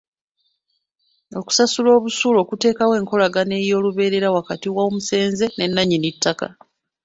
Okusasula busuulu kuteekawo enkolagana ey'olubeerera wakati w'omusenze ne nnannyini ttaka.